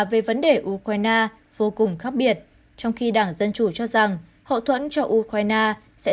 về vấn đề ukraine vô cùng khác biệt trong khi đảng dân chủ cho rằng hậu thuẫn cho ukraine sẽ